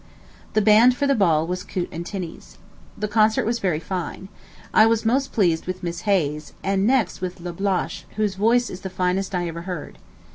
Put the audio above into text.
The band for the ball was Coote & Tinney's. The concert was very fine. I was most pleased with Miss Hayes, and next with Lablache, whose voice is the finest I ever heard.